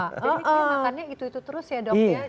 jadi makannya gitu gitu terus ya dok ya